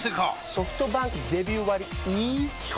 ソフトバンクデビュー割イズ基本